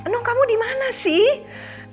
nino kamu dimana sih